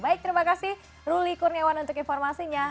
baik terima kasih ruli kurniawan untuk informasinya